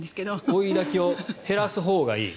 追いだきを減らすほうがいい。